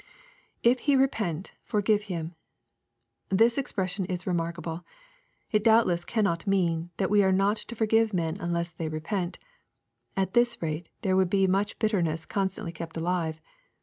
[If he repent, forgive him.] This expression is remarkable. It doubtless cannot mean, that we are not to forgive men unless they do repent At this rate there would be much bitterness constantly kept alive.